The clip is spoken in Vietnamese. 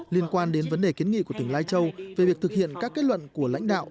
liên quan đến vấn đề kiến nghị của tỉnh lai châu về việc thực hiện các kết luận của lãnh đạo